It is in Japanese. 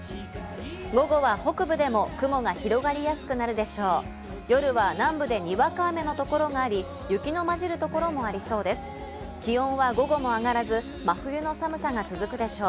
午後は北部でも雲が広がりやすくなるでしょう。